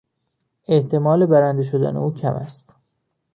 احتمال برنده شدن او کم است.